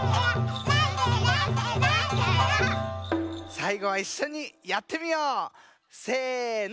さいごはいっしょにやってみよう！せの！